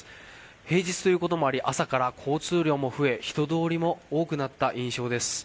平日ということもあり、朝から交通量も増え、人通りも多くなった印象です。